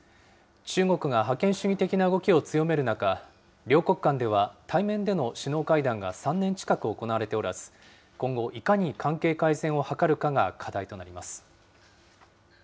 中国が覇権主義的な動きを強める中、両国間では対面での首脳会談が３年近く行われておらず、今後、いかに関係改善を図るかが課題となります。